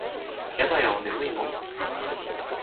やだよ眠いもん。